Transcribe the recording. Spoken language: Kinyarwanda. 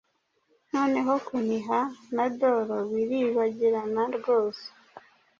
Noneho kuniha na dolo biribagirana rwose,